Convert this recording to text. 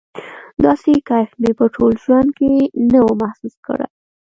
داسې کيف مې په ټول ژوند کښې نه و محسوس کړى.